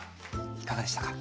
いかがでしたか？